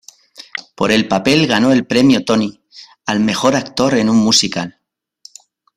Por el papel ganó el Premio Tony al Mejor Actor en un Musical.